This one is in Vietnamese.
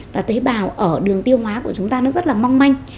và tế bào ở đường tiêu hóa của chúng ta nó rất là mong manh